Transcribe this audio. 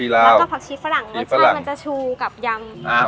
แล้วก็ผักชีฝรั่งรสชาติมันจะชูกับยำ